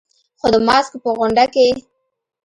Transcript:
خو د ماسکو په غونډه کې